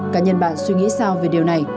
cá nhân bạn suy nghĩ sao về điều này